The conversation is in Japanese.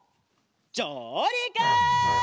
じょうりく！